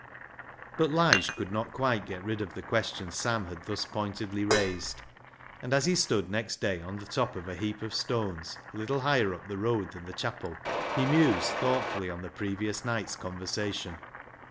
But Lige could not quite get rid of the question Sam had thus pointedly raised, and as he stood next day on the top of a heap of stones, a little higher up the road than the chapel, he mused thoughtfully on the previous night's conversation.